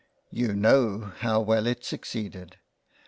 You know how well it succeeded —